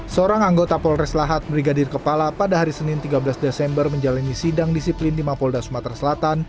seorang anggota polres lahat brigadir kepala pada hari senin tiga belas desember menjalani sidang disiplin di mapolda sumatera selatan